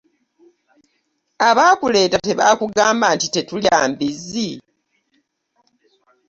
Abaakuleeta tebaakugamba nti tetulya mbizzi?